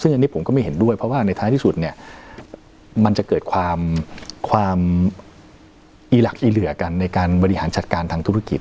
ซึ่งอันนี้ผมก็ไม่เห็นด้วยเพราะว่าในท้ายที่สุดเนี่ยมันจะเกิดความความอีหลักอีเหลือกันในการบริหารจัดการทางธุรกิจ